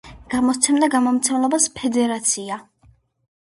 გამოსცემდა გამომცემლობა „ფედერაცია“.